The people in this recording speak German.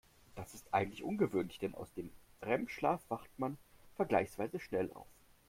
Das ist eigentlich ungewöhnlich, denn aus dem REM-Schlaf wacht man vergleichsweise schnell auf.